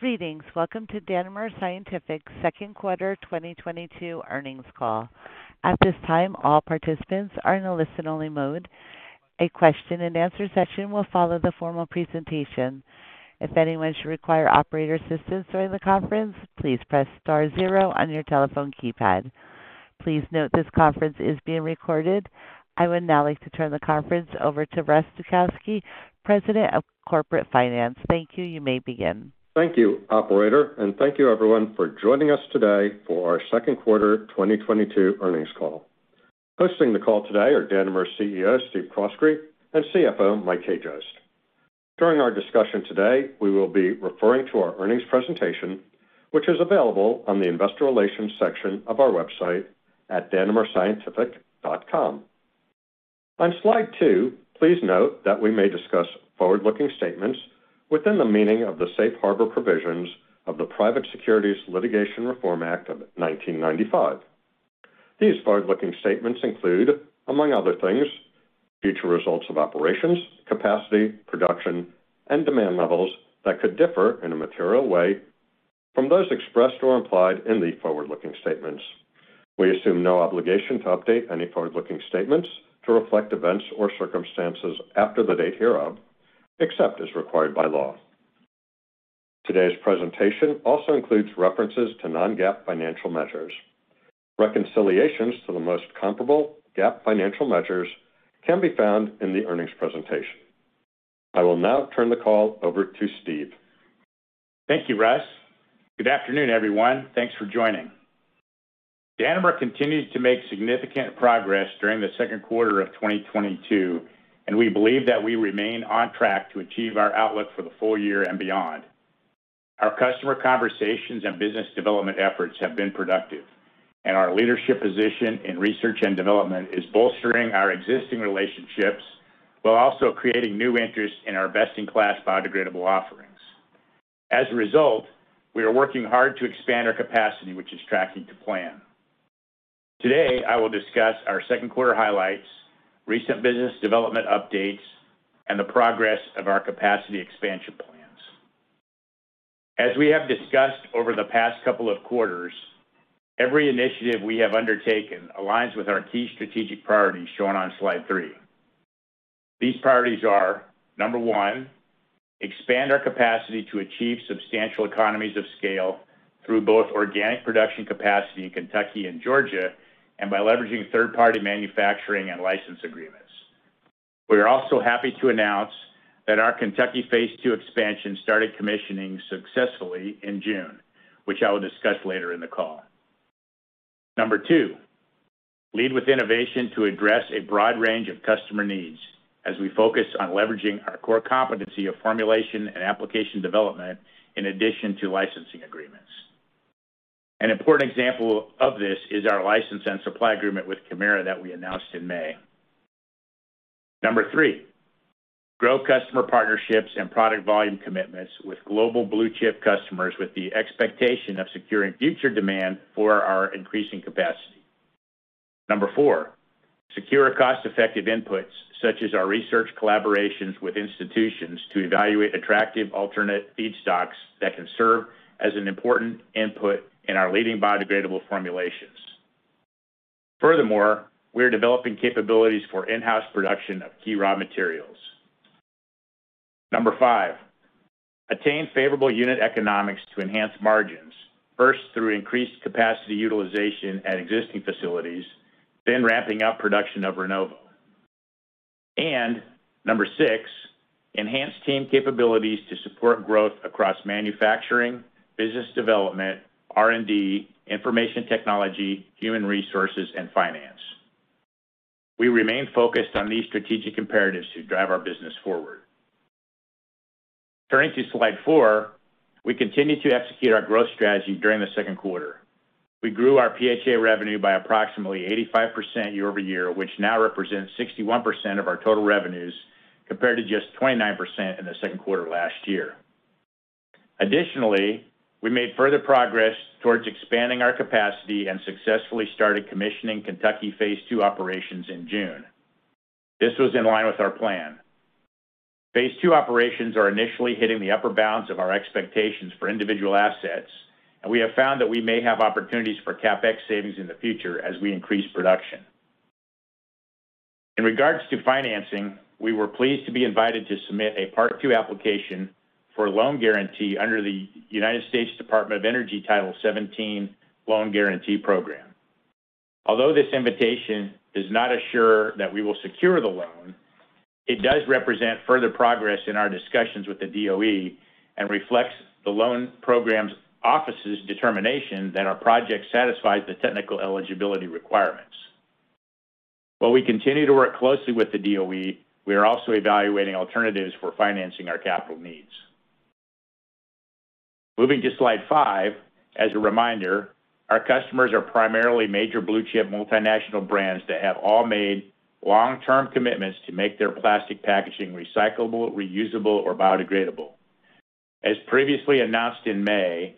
Greetings. Welcome to Danimer Scientific's Second Quarter 2022 Earnings Call. At this time, all participants are in a listen-only mode. A question and answer session will follow the formal presentation. If anyone should require operator assistance during the conference, please press star zero on your telephone keypad. Please note this conference is being recorded. I would now like to turn the conference over to Russ Zukowski, President, Corporate Finance. Thank you. You may begin. Thank you, operator, and thank you everyone for joining us today for our second quarter 2022 earnings call. Hosting the call today are Danimer's CEO, Steve Croskrey, and CFO, Mike Hajost. During our discussion today, we will be referring to our earnings presentation, which is available on the Investor Relations section of our website at danimerscientific.com. On slide 2, please note that we may discuss forward-looking statements within the meaning of the safe harbor provisions of the Private Securities Litigation Reform Act of 1995. These forward-looking statements include, among other things, future results of operations, capacity, production, and demand levels that could differ in a material way from those expressed or implied in the forward-looking statements. We assume no obligation to update any forward-looking statements to reflect events or circumstances after the date hereof, except as required by law. Today's presentation also includes references to non-GAAP financial measures. Reconciliations to the most comparable GAAP financial measures can be found in the earnings presentation. I will now turn the call over to Steve. Thank you, Russ. Good afternoon, everyone. Thanks for joining. Danimer continued to make significant progress during the second quarter of 2022, and we believe that we remain on track to achieve our outlook for the full year and beyond. Our customer conversations and business development efforts have been productive, and our leadership position in research and development is bolstering our existing relationships while also creating new interest in our best-in-class biodegradable offerings. As a result, we are working hard to expand our capacity, which is tracking to plan. Today, I will discuss our second quarter highlights, recent business development updates, and the progress of our capacity expansion plans. As we have discussed over the past couple of quarters, every initiative we have undertaken aligns with our key strategic priorities shown on slide 3. These priorities are, number 1, expand our capacity to achieve substantial economies of scale through both organic production capacity in Kentucky and Georgia and by leveraging third-party manufacturing and license agreements. We are also happy to announce that our Kentucky phase II expansion started commissioning successfully in June, which I will discuss later in the call. Number 2, lead with innovation to address a broad range of customer needs as we focus on leveraging our core competency of formulation and application development in addition to licensing agreements. An important example of this is our license and supply agreement with Kemira that we announced in May. Number 3, grow customer partnerships and product volume commitments with global blue chip customers with the expectation of securing future demand for our increasing capacity. Number 4, secure cost-effective inputs such as our research collaborations with institutions to evaluate attractive alternate feedstocks that can serve as an important input in our leading biodegradable formulations. Furthermore, we are developing capabilities for in-house production of key raw materials. Number 5, attain favorable unit economics to enhance margins, first through increased capacity utilization at existing facilities, then ramping up production of Rinnovo. Number 6, enhance team capabilities to support growth across manufacturing, business development, R&D, information technology, human resources, and finance. We remain focused on these strategic imperatives to drive our business forward. Turning to slide 4, we continued to execute our growth strategy during the second quarter. We grew our PHA revenue by approximately 85% year-over-year, which now represents 61% of our total revenues compared to just 29% in the second quarter last year. Additionally, we made further progress towards expanding our capacity and successfully started commissioning Kentucky phase II operations in June. This was in line with our plan. Phase II operations are initially hitting the upper bounds of our expectations for individual assets, and we have found that we may have opportunities for CapEx savings in the future as we increase production. In regards to financing, we were pleased to be invited to submit a part two application for a loan guarantee under the United States Department of Energy Title XVII Loan Guarantee Program. Although this invitation does not assure that we will secure the loan, it does represent further progress in our discussions with the DOE and reflects the loan program's office's determination that our project satisfies the technical eligibility requirements. While we continue to work closely with the DOE, we are also evaluating alternatives for financing our capital needs. Moving to slide 5, as a reminder, our customers are primarily major blue-chip multinational brands that have all made long-term commitments to make their plastic packaging recyclable, reusable, or biodegradable. As previously announced in May,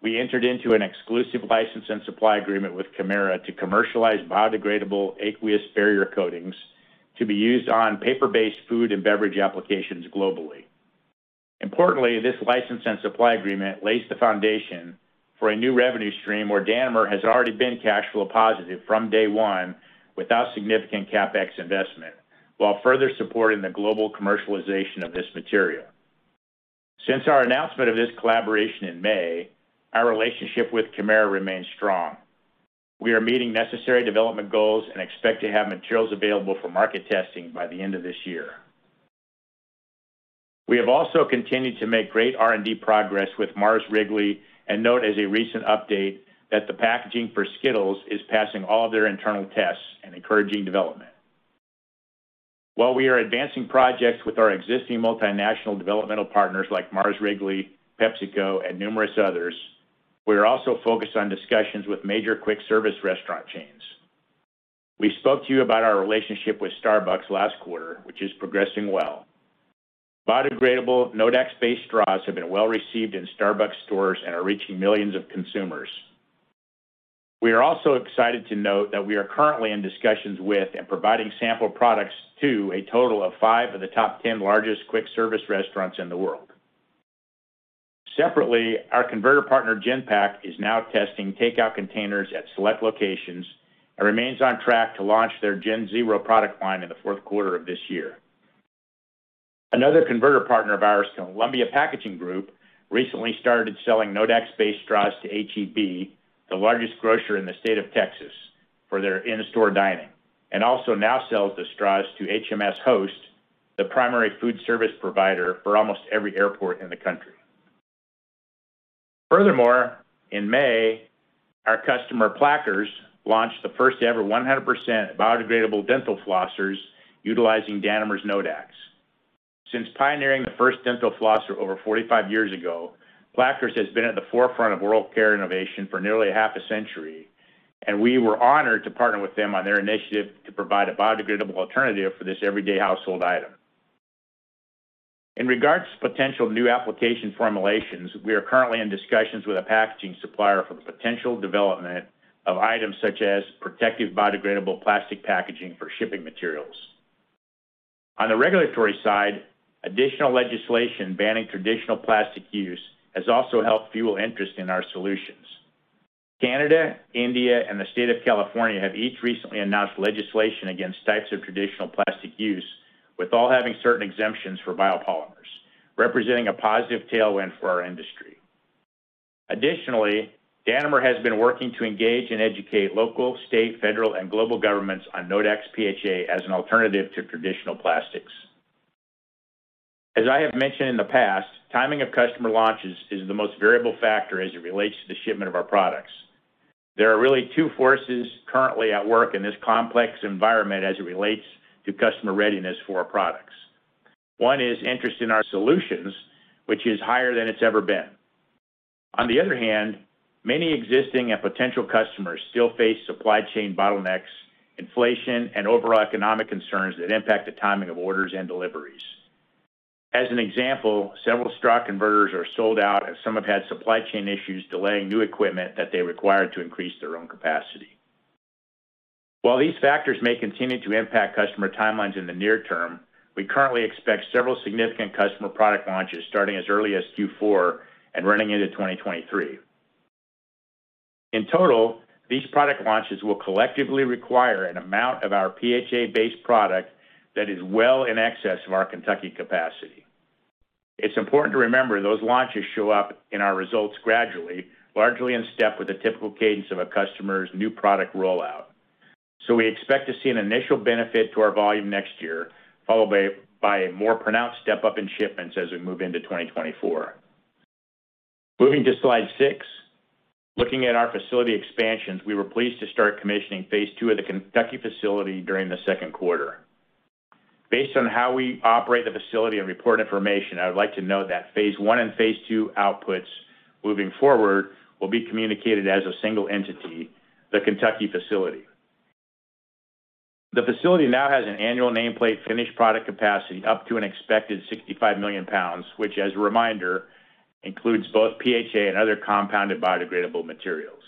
we entered into an exclusive license and supply agreement with Kemira to commercialize biodegradable aqueous barrier coatings to be used on paper-based food and beverage applications globally. Importantly, this license and supply agreement lays the foundation for a new revenue stream where Danimer has already been cash flow positive from day one without significant CapEx investment, while further supporting the global commercialization of this material. Since our announcement of this collaboration in May, our relationship with Kemira remains strong. We are meeting necessary development goals and expect to have materials available for market testing by the end of this year. We have also continued to make great R&D progress with Mars Wrigley and note as a recent update that the packaging for Skittles is passing all of their internal tests and encouraging development. While we are advancing projects with our existing multinational developmental partners like Mars Wrigley, PepsiCo and numerous others, we are also focused on discussions with major quick service restaurant chains. We spoke to you about our relationship with Starbucks last quarter, which is progressing well. Biodegradable Nodax-based straws have been well received in Starbucks stores and are reaching millions of consumers. We are also excited to note that we are currently in discussions with and providing sample products to a total of five of the top ten largest quick service restaurants in the world. Separately, our converter partner Genpak is now testing takeout containers at select locations and remains on track to launch their GenZero product line in the fourth quarter of this year. Another converter partner of ours, Columbia Packaging Group, recently started selling Nodax-based straws to H-E-B, the largest grocer in the state of Texas, for their in-store dining, and also now sells the straws to HMSHost, the primary food service provider for almost every airport in the country. Furthermore, in May, our customer Plackers launched the first ever 100% biodegradable dental flossers utilizing Danimer's Nodax. Since pioneering the first dental flosser over 45 years ago, Plackers has been at the forefront of oral care innovation for nearly half a century, and we were honored to partner with them on their initiative to provide a biodegradable alternative for this everyday household item. In regards to potential new application formulations, we are currently in discussions with a packaging supplier for the potential development of items such as protective biodegradable plastic packaging for shipping materials. On the regulatory side, additional legislation banning traditional plastic use has also helped fuel interest in our solutions. Canada, India and the state of California have each recently announced legislation against types of traditional plastic use, with all having certain exemptions for biopolymers, representing a positive tailwind for our industry. Additionally, Danimer has been working to engage and educate local, state, federal, and global governments on Nodax PHA as an alternative to traditional plastics. As I have mentioned in the past, timing of customer launches is the most variable factor as it relates to the shipment of our products. There are really two forces currently at work in this complex environment as it relates to customer readiness for our products. One is interest in our solutions, which is higher than it's ever been. On the other hand, many existing and potential customers still face supply chain bottlenecks, inflation and overall economic concerns that impact the timing of orders and deliveries. As an example, several straw converters are sold out and some have had supply chain issues delaying new equipment that they require to increase their own capacity. While these factors may continue to impact customer timelines in the near term, we currently expect several significant customer product launches starting as early as Q4 and running into 2023. In total, these product launches will collectively require an amount of our PHA-based product that is well in excess of our Kentucky capacity. It's important to remember those launches show up in our results gradually, largely in step with the typical cadence of a customer's new product rollout. We expect to see an initial benefit to our volume next year, followed by a more pronounced step-up in shipments as we move into 2024. Moving to slide 6. Looking at our facility expansions, we were pleased to start commissioning phase II of the Kentucky facility during the second quarter. Based on how we operate the facility and report information, I would like to note that phase I and phase II outputs moving forward will be communicated as a single entity, the Kentucky facility. The facility now has an annual nameplate finished product capacity up to an expected 65 million pounds, which as a reminder, includes both PHA and other compounded biodegradable materials.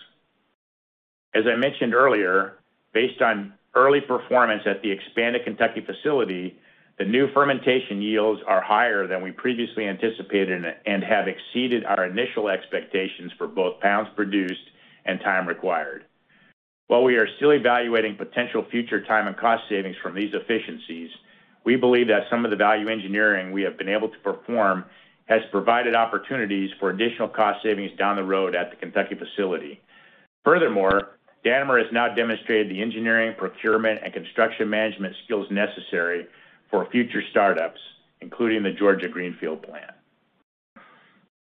As I mentioned earlier, based on early performance at the expanded Kentucky facility, the new fermentation yields are higher than we previously anticipated and have exceeded our initial expectations for both pounds produced and time required. While we are still evaluating potential future time and cost savings from these efficiencies, we believe that some of the value engineering we have been able to perform has provided opportunities for additional cost savings down the road at the Kentucky facility. Furthermore, Danimer has now demonstrated the engineering, procurement, and construction management skills necessary for future startups, including the Georgia greenfield plant.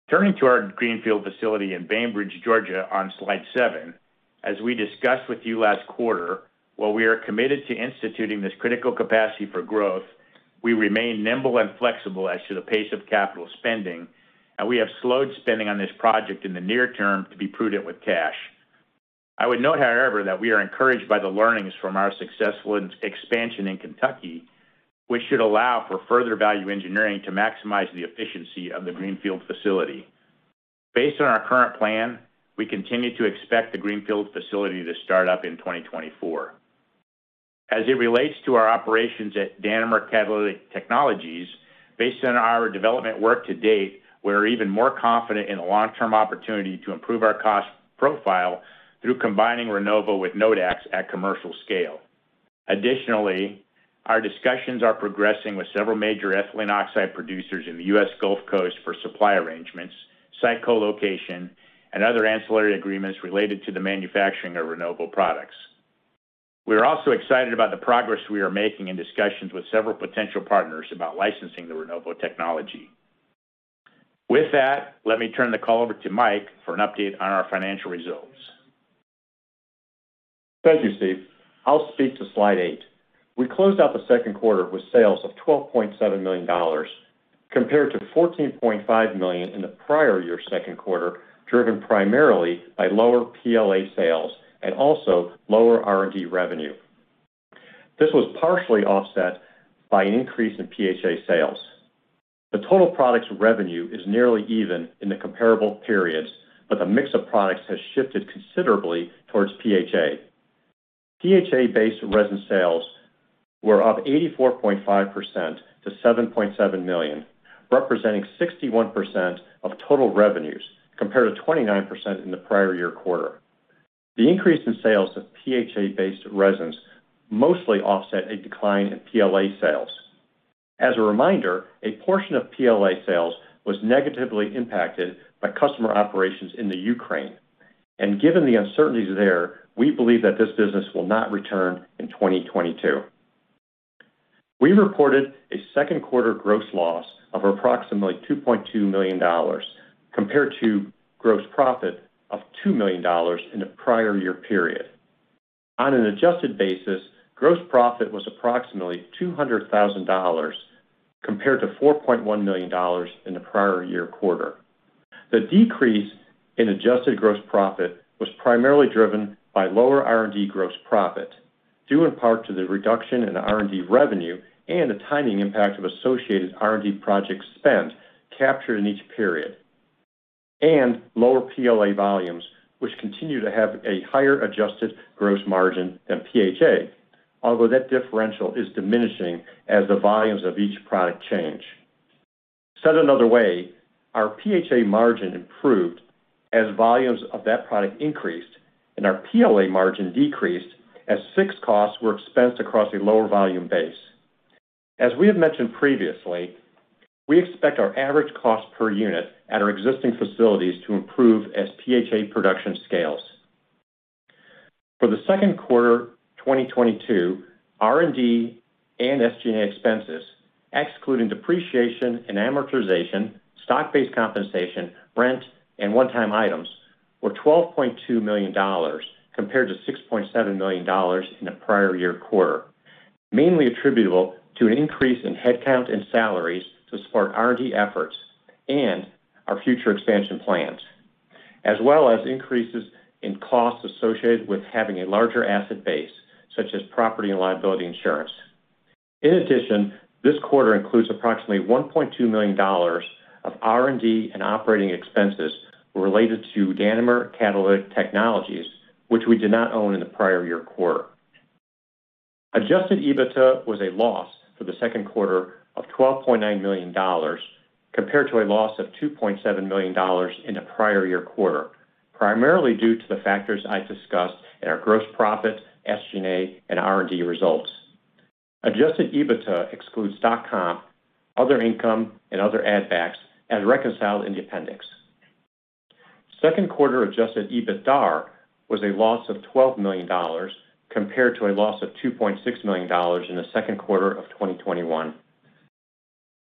Turning to our greenfield facility in Bainbridge, Georgia on slide seven. As we discussed with you last quarter, while we are committed to instituting this critical capacity for growth, we remain nimble and flexible as to the pace of capital spending, and we have slowed spending on this project in the near term to be prudent with cash. I would note, however, that we are encouraged by the learnings from our successful expansion in Kentucky, which should allow for further value engineering to maximize the efficiency of the greenfield facility. Based on our current plan, we continue to expect the greenfield facility to start up in 2024. As it relates to our operations at Danimer Catalytic Technologies, based on our development work to date, we're even more confident in the long-term opportunity to improve our cost profile through combining Rinnovo with Nodax at commercial scale. Additionally, our discussions are progressing with several major ethylene oxide producers in the U.S. Gulf Coast for supply arrangements, site co-location, and other ancillary agreements related to the manufacturing of Rinnovo products. We are also excited about the progress we are making in discussions with several potential partners about licensing the Rinnovo technology. With that, let me turn the call over to Mike for an update on our financial results. Thank you, Steve. I'll speak to slide 8. We closed out the second quarter with sales of $12.7 million compared to $14.5 million in the prior year second quarter, driven primarily by lower PLA sales and also lower R&D revenue. This was partially offset by an increase in PHA sales. The total products revenue is nearly even in the comparable periods, but the mix of products has shifted considerably towards PHA. PHA-based resin sales were up 84.5% to $7.7 million, representing 61% of total revenues compared to 29% in the prior year quarter. The increase in sales of PHA-based resins mostly offset a decline in PLA sales. As a reminder, a portion of PLA sales was negatively impacted by customer operations in the Ukraine. Given the uncertainties there, we believe that this business will not return in 2022. We reported a second quarter gross loss of approximately $2.2 million compared to gross profit of $2 million in the prior year period. On an adjusted basis, gross profit was approximately $200,000 compared to $4.1 million in the prior year quarter. The decrease in adjusted gross profit was primarily driven by lower R&D gross profit, due in part to the reduction in R&D revenue and the timing impact of associated R&D project spend captured in each period, and lower PLA volumes, which continue to have a higher adjusted gross margin than PHA, although that differential is diminishing as the volumes of each product change. Said another way, our PHA margin improved as volumes of that product increased, and our PLA margin decreased as fixed costs were expensed across a lower volume base. As we have mentioned previously, we expect our average cost per unit at our existing facilities to improve as PHA production scales. For the second quarter 2022, R&D and SG&A expenses, excluding depreciation and amortization, stock-based compensation, rent, and one-time items, were $12.2 million compared to $6.7 million in the prior year quarter, mainly attributable to an increase in headcount and salaries to support R&D efforts and our future expansion plans, as well as increases in costs associated with having a larger asset base, such as property and liability insurance. In addition, this quarter includes approximately $1.2 million of R&D and operating expenses related to Danimer Catalytic Technologies, which we did not own in the prior year quarter. Adjusted EBITDA was a loss for the second quarter of $12.9 million compared to a loss of $2.7 million in the prior year quarter, primarily due to the factors I discussed in our gross profit, SG&A, and R&D results. Adjusted EBITDA excludes stock comp, other income, and other add backs as reconciled in the appendix. Second quarter adjusted EBITDAR was a loss of $12 million compared to a loss of $2.6 million in the second quarter of 2021.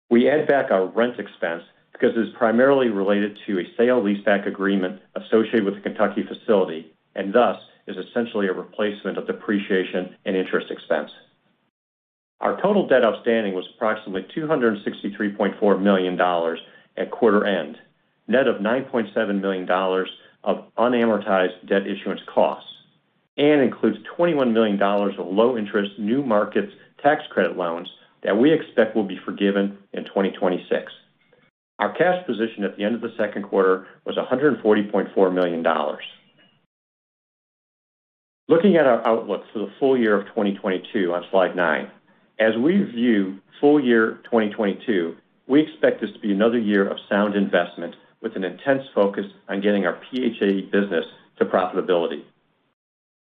We add back our rent expense because it is primarily related to a sale leaseback agreement associated with the Kentucky facility, and thus is essentially a replacement of depreciation and interest expense. Our total debt outstanding was approximately $263.4 million at quarter end, net of $9.7 million of unamortized debt issuance costs, and includes $21 million of low interest New Markets Tax Credit loans that we expect will be forgiven in 2026. Our cash position at the end of the second quarter was $140.4 million. Looking at our outlook for the full year of 2022 on slide 9. As we view full year 2022, we expect this to be another year of sound investment with an intense focus on getting our PHA business to profitability.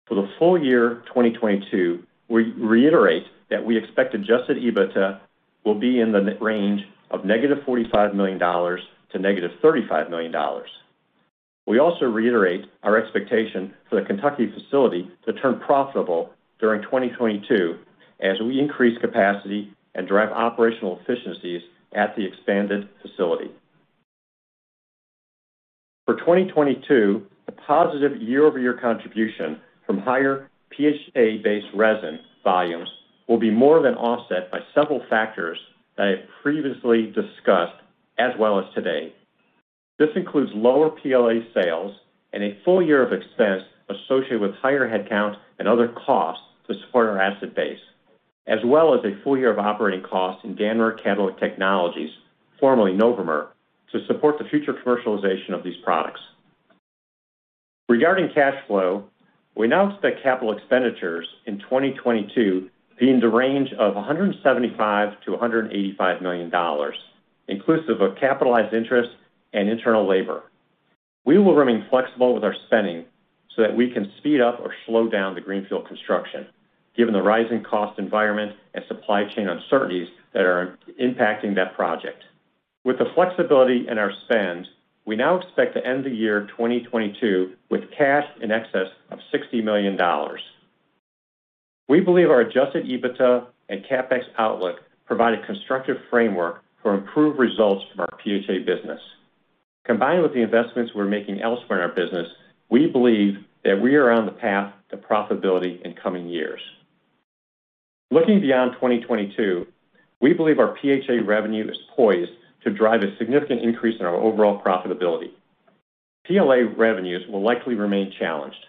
For the full year 2022, we reiterate that we expect adjusted EBITDA will be in the range of -$45 million to -$35 million. We also reiterate our expectation for the Kentucky facility to turn profitable during 2022 as we increase capacity and drive operational efficiencies at the expanded facility. For 2022, the positive year-over-year contribution from higher PHA-based resin volumes will be more than offset by several factors that I previously discussed as well as today. This includes lower PLA sales and a full year of expense associated with higher headcount and other costs to support our asset base, as well as a full year of operating costs in Danimer Catalytic Technologies, formerly Novomer, to support the future commercialization of these products. Regarding cash flow, we now expect capital expenditures in 2022 be in the range of $175 million-$185 million, inclusive of capitalized interest and internal labor. We will remain flexible with our spending so that we can speed up or slow down the greenfield construction given the rising cost environment and supply chain uncertainties that are impacting that project. With the flexibility in our spend, we now expect to end the year 2022 with cash in excess of $60 million. We believe our adjusted EBITDA and CapEx outlook provide a constructive framework for improved results from our PHA business. Combined with the investments we're making elsewhere in our business, we believe that we are on the path to profitability in coming years. Looking beyond 2022, we believe our PHA revenue is poised to drive a significant increase in our overall profitability. PLA revenues will likely remain challenged.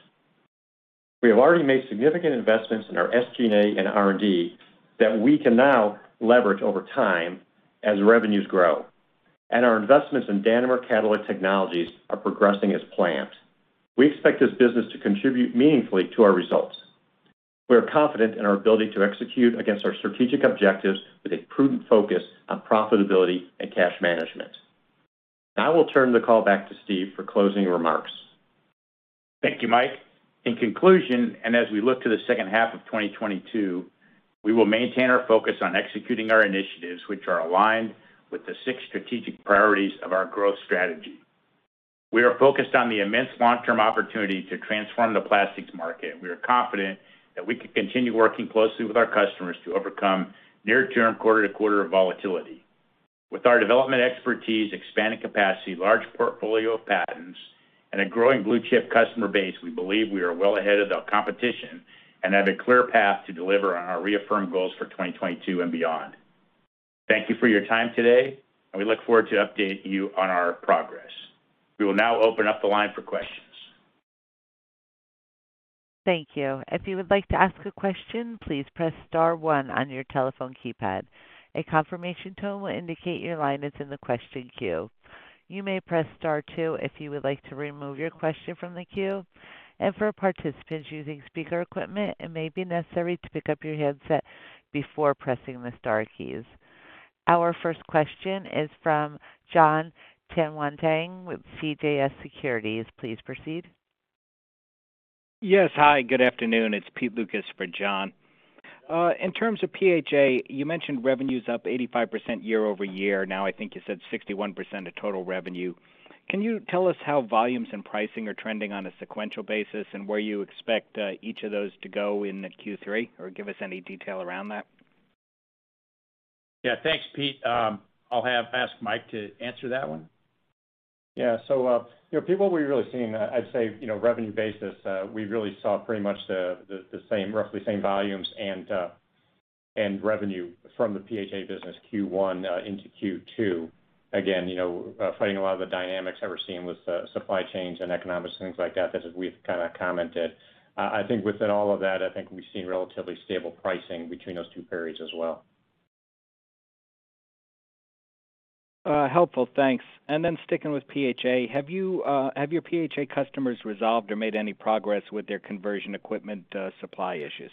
We have already made significant investments in our SG&A and R&D that we can now leverage over time as revenues grow. Our investments in Danimer Catalytic Technologies are progressing as planned. We expect this business to contribute meaningfully to our results. We are confident in our ability to execute against our strategic objectives with a prudent focus on profitability and cash management. Now I will turn the call back to Steve for closing remarks. Thank you, Mike. In conclusion, as we look to the second half of 2022, we will maintain our focus on executing our initiatives, which are aligned with the six strategic priorities of our growth strategy. We are focused on the immense long-term opportunity to transform the plastics market. We are confident that we can continue working closely with our customers to overcome near-term quarter-to-quarter volatility. With our development expertise, expanded capacity, large portfolio of patents, and a growing blue-chip customer base, we believe we are well ahead of the competition and have a clear path to deliver on our reaffirmed goals for 2022 and beyond. Thank you for your time today, and we look forward to updating you on our progress. We will now open up the line for questions. Thank you. If you would like to ask a question, please press star one on your telephone keypad. A confirmation tone will indicate your line is in the question queue. You may press star two if you would like to remove your question from the queue. For participants using speaker equipment, it may be necessary to pick up your headset before pressing the star keys. Our first question is from Jon Tanwanteng with CJS Securities. Please proceed. Yes. Hi, good afternoon. It's Peter Lukas for Jon Tanwanteng. In terms of PHA, you mentioned revenue's up 85% year-over-year. Now I think you said 61% of total revenue. Can you tell us how volumes and pricing are trending on a sequential basis and where you expect each of those to go in the Q3 or give us any detail around that? Yeah. Thanks, Peter. I'll ask Mike to answer that one. Yeah. You know, Peter, what we're really seeing, I'd say, you know, revenue basis, we really saw pretty much roughly the same volumes and revenue from the PHA business Q1 into Q2. Again, you know, fighting a lot of the dynamics that we're seeing with the supply chains and economics, things like that, as we've kinda commented. I think within all of that, I think we've seen relatively stable pricing between those two periods as well. Helpful. Thanks. Sticking with PHA, have your PHA customers resolved or made any progress with their conversion equipment, supply issues?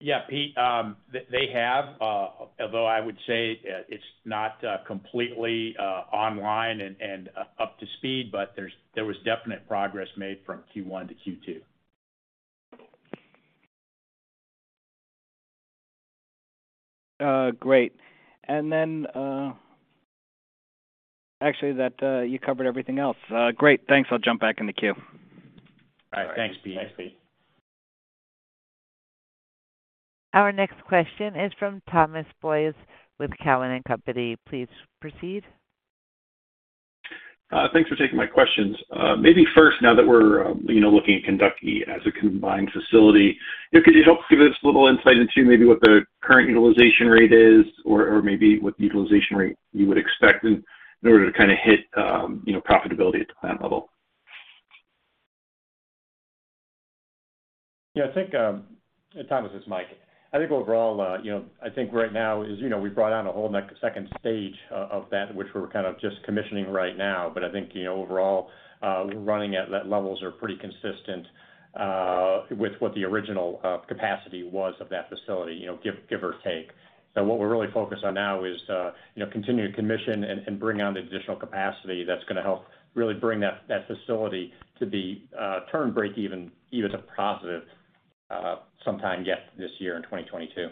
Yeah, Peter, they have, although I would say, it's not completely online and up to speed, but there was definite progress made from Q1 to Q2. Great. Actually, you covered everything else. Great. Thanks. I'll jump back in the queue. All right. Thanks, Peter. Thanks, Peter. Our next question is from Thomas Boyes with Cowen and Company. Please proceed. Thanks for taking my questions. Maybe first, now that we're, you know, looking at Kentucky as a combined facility, if you could help give us a little insight into maybe what the current utilization rate is or maybe what the utilization rate you would expect in order to kinda hit, you know, profitability at the plant level. Yeah, I think Thomas, it's Mike. I think overall, you know, I think right now is, you know, we brought on a whole second stage of that, which we're kind of just commissioning right now. I think, you know, overall, we're running at levels are pretty consistent with what the original capacity was of that facility, you know, give or take. What we're really focused on now is, you know, continue to commission and bring on the additional capacity that's gonna help really bring that facility to turn breakeven, even to positive, sometime yet this year in 2022.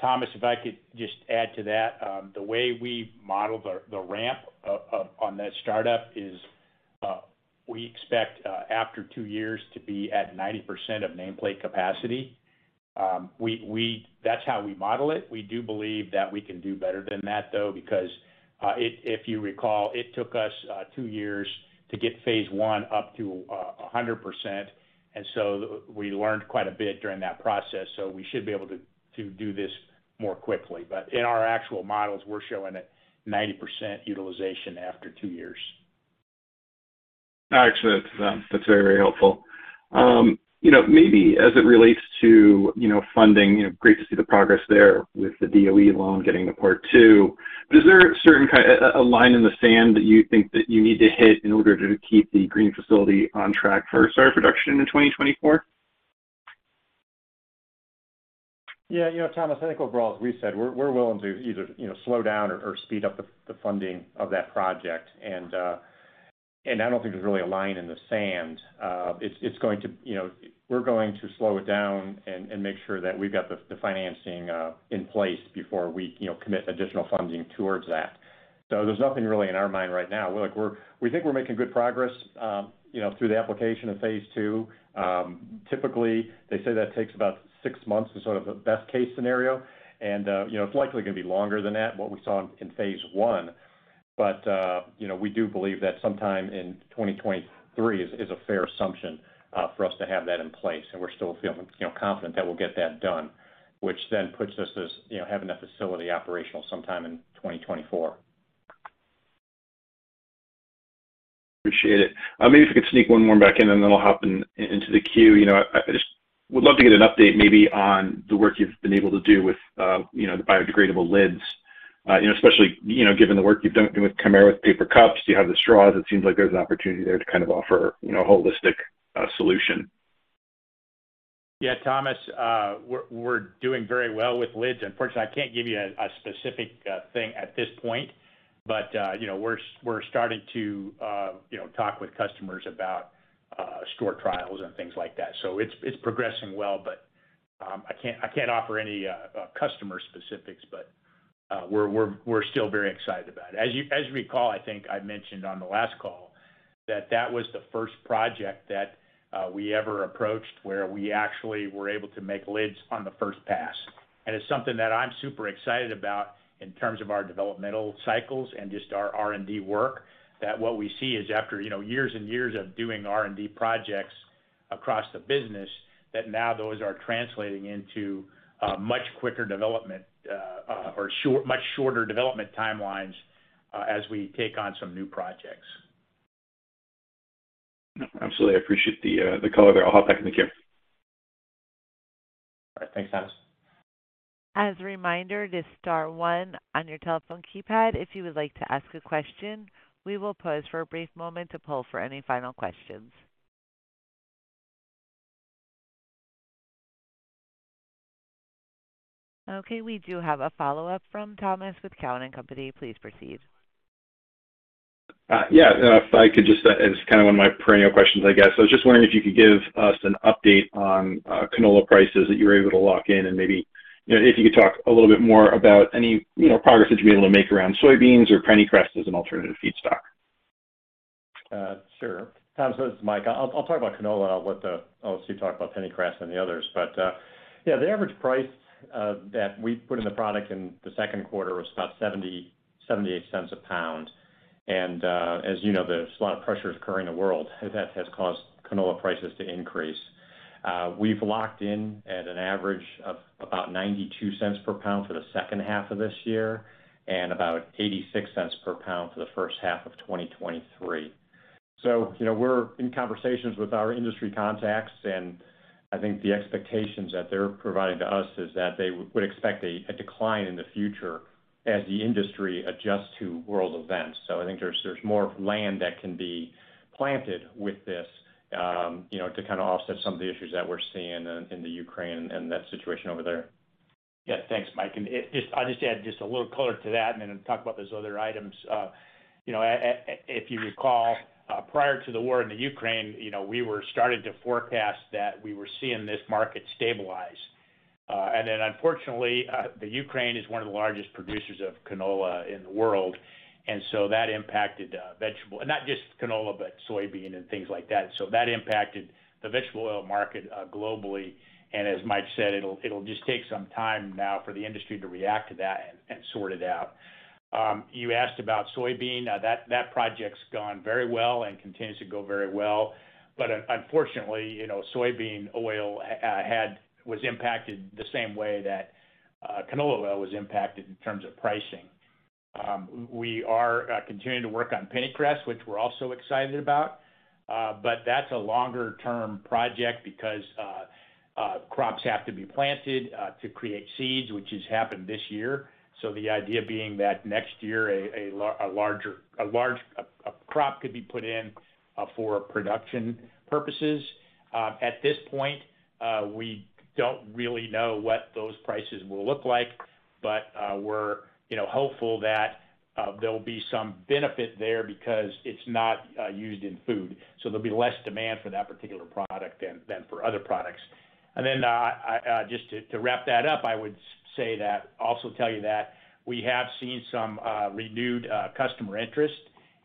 Thomas, if I could just add to that, the way we modeled the ramp on that startup is, we expect after two years to be at 90% of nameplate capacity. That's how we model it. We do believe that we can do better than that, though, because if you recall, it took us two years to get phase I up to 100%. We learned quite a bit during that process, so we should be able to do this more quickly. In our actual models, we're showing it 90% utilization after two years. Actually, that's very, very helpful. You know, maybe as it relates to, you know, funding, great to see the progress there with the DOE loan getting the part two. Is there a certain line in the sand that you think that you need to hit in order to keep the green facility on track for start of production in 2024? Yeah. You know, Thomas, I think overall, as we said, we're willing to either, you know, slow down or speed up the funding of that project. I don't think there's really a line in the sand. We're going to slow it down and make sure that we've got the financing in place before we, you know, commit additional funding towards that. There's nothing really in our mind right now. We think we're making good progress, you know, through the application of phase II. Typically, they say that takes about six months, sort of a best case scenario. You know, it's likely gonna be longer than that, what we saw in phase I. You know, we do believe that sometime in 2023 is a fair assumption for us to have that in place, and we're still feeling, you know, confident that we'll get that done, which then puts us as, you know, having that facility operational sometime in 2024. Appreciate it. Maybe if we could sneak one more back in, and then I'll hop into the queue. You know, I just would love to get an update maybe on the work you've been able to do with, you know, the biodegradable lids. You know, especially, you know, given the work you've done with Kemira, with paper cups, you have the straws. It seems like there's an opportunity there to kind of offer, you know, a holistic solution. Yeah, Thomas, we're doing very well with lids. Unfortunately, I can't give you a specific thing at this point, but you know, we're starting to you know, talk with customers about store trials and things like that. It's progressing well, but I can't offer any customer specifics, but we're still very excited about it. As you recall, I think I mentioned on the last call that that was the first project that we ever approached where we actually were able to make lids on the first pass. It's something that I'm super excited about in terms of our developmental cycles and just our R&D work, that what we see is after, you know, years and years of doing R&D projects across the business, that now those are translating into much quicker development, much shorter development timelines, as we take on some new projects. Absolutely. I appreciate the color there. I'll hop back in the queue. All right. Thanks, Thomas. As a reminder, it is star one on your telephone keypad, if you would like to ask a question. We will pause for a brief moment to poll for any final questions. Okay, we do have a follow-up from Thomas Boyes with Cowen and Company. Please proceed. Yeah. If I could just, it's kinda one of my perennial questions, I guess. I was just wondering if you could give us an update on canola prices that you're able to lock in, and maybe if you could talk a little bit more about any, you know, progress that you're able to make around soybeans or pennycress as an alternative feedstock. Sure. Thomas, this is Mike. I'll talk about canola, and I'll let Steve talk about pennycress and the others. Yeah, the average price that we put in the product in the second quarter was about $0.78 a pound. As you know, there's a lot of pressure occurring in the world that has caused canola prices to increase. We've locked in at an average of about $0.92 per pound for the second half of this year and about $0.86 per pound for the first half of 2023. You know, we're in conversations with our industry contacts, and I think the expectations that they're providing to us is that they would expect a decline in the future as the industry adjusts to world events. I think there's more land that can be planted with this, you know, to kinda offset some of the issues that we're seeing in the Ukraine and that situation over there. Yeah. Thanks, Mike. I'll just add a little color to that and then talk about those other items. You know, if you recall, prior to the war in the Ukraine, you know, we were starting to forecast that we were seeing this market stabilize. Then unfortunately, the Ukraine is one of the largest producers of canola in the world, and so that impacted vegetable not just canola, but soybean and things like that. That impacted the vegetable oil market globally. As Mike said, it'll just take some time now for the industry to react to that and sort it out. You asked about soybean. That project's gone very well and continues to go very well. Unfortunately, you know, soybean oil was impacted the same way that canola oil was impacted in terms of pricing. We are continuing to work on pennycress, which we're also excited about, but that's a longer term project because crops have to be planted to create seeds, which has happened this year. The idea being that next year a larger crop could be put in for production purposes. At this point, we don't really know what those prices will look like, but we're, you know, hopeful that there'll be some benefit there because it's not used in food, so there'll be less demand for that particular product than for other products. Then just to wrap that up, I would say that also tell you that we have seen some renewed customer interest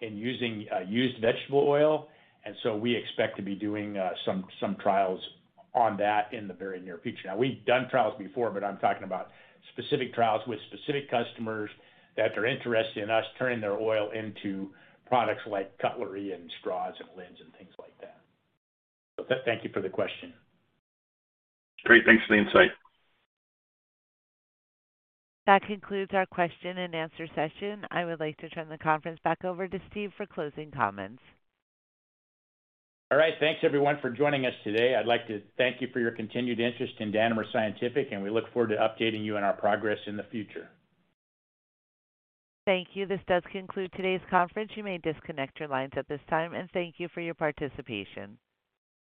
in using used vegetable oil, and so we expect to be doing some trials on that in the very near future. Now, we've done trials before, but I'm talking about specific trials with specific customers that are interested in us turning their oil into products like cutlery and straws and lids and things like that. Thank you for the question. Great. Thanks for the insight. That concludes our question and answer session. I would like to turn the conference back over to Steve for closing comments. All right. Thanks everyone for joining us today. I'd like to thank you for your continued interest in Danimer Scientific, and we look forward to updating you on our progress in the future. Thank you. This does conclude today's conference. You may disconnect your lines at this time, and thank you for your participation.